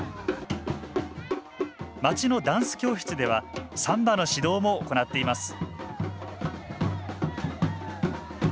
町のダンス教室ではサンバの指導も行っています